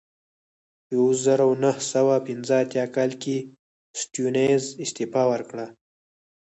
په یوه زرو نهه سوه پنځه اتیا کال کې سټیونز استعفا ورکړه.